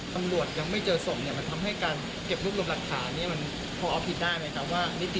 คำลวจยังไม่เจอสมมันทำให้การเก็บรูปรวมหลักฐานนี่